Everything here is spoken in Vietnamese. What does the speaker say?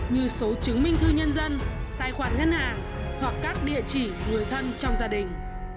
như số chứng minh thư nhân dân tài khoản ngân hàng hoặc các địa chỉ người thân trong gia đình